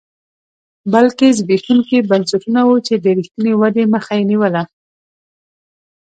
بلکې زبېښونکي بنسټونه وو چې د رښتینې ودې مخه یې نیوله